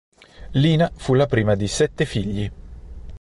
Lina fu la prima di sette figli.